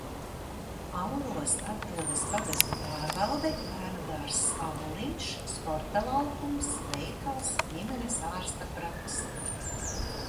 "Auros atrodas pagasta pārvalde, bērnudārzs "Auriņš", sporta laukums, veikals, ģimenes ārsta prakse."